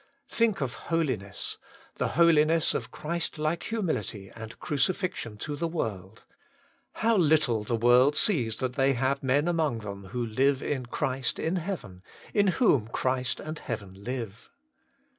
Think of holiness — the holiness of Christ like humility and crucifixion to the world — how little the world sees that they have men among them who live in Christ in heaven, in whom Christ and heaven live.